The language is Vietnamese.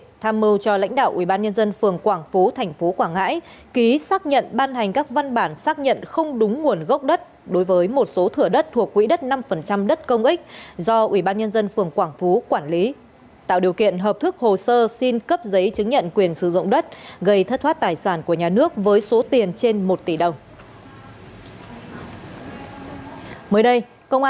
được biết trong năm hai nghìn một mươi sáu khi đang là công chức địa chính ủy ban nhân dân phường quảng phú tp quảng ngãi ký xác nhận ban hành các văn bản xác nhận không đúng nguồn gốc đất đối với một số thửa đất thuộc quỹ đất năm đất công ích do ủy ban nhân dân phường quảng phú quản lý tạo điều kiện hợp thức hồ sơ xin cấp giấy chứng nhận quyền sử dụng đất gây thất thoát tài sản của nhà nước với số tiền trên một tỷ đồng